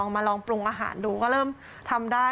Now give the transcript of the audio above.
มาลองปรุงอาหารดูก็เริ่มทำได้